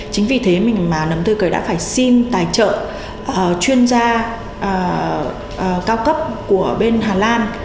chính vì thế mình mà nấm tư cởi đã phải xin tài trợ chuyên gia cao cấp của bên hà lan